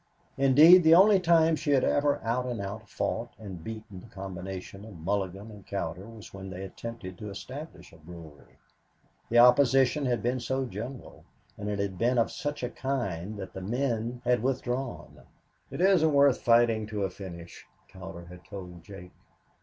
Indeed the only time she had ever out and out fought and beaten the combination of Mulligan and Cowder was when they attempted to establish a brewery. The opposition had been so general and it had been of such a kind that the men had withdrawn. "It isn't worth fighting to a finish," Cowder had told Jake.